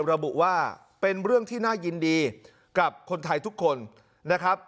ระบุว่าเป็นเรื่องที่น่ายินดีกับคนไทยทุกคนนะครับ